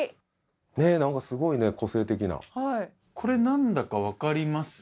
ねっ何かすごい個性的なこれ何だか分かります？